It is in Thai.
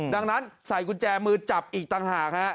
ดังนั้นใส่กุญแจมือจับอีกต่างหากฮะ